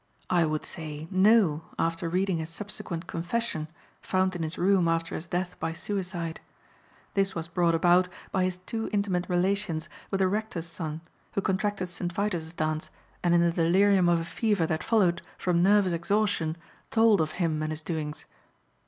I would say 'No!' after reading his subsequent confession, found in his room after his death by suicide. This was brought about by his too intimate relations with the rector's son who contracted St. Vitus's dance and in the delirium of a fever that followed from nervous exhaustion told of him and his doings.